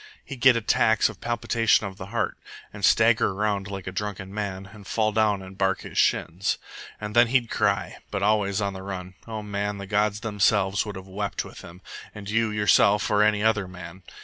He'd get attacks of palpitation of the heart, and stagger around like a drunken man, and fall down and bark his shins. And then he'd cry, but always on the run. O man, the gods themselves would have wept with him, and you yourself or any other man.